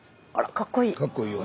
かっこいいよ。